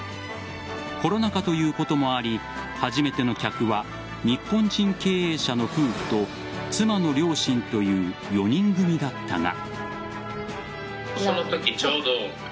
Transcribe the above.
コロナ禍ということもあり初めての客は日本人経営者の夫婦と妻の両親という４人組だったが。